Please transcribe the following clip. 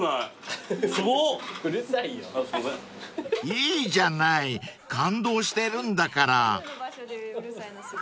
［いいじゃない感動してるんだから］